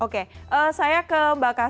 oke saya ke mbak kas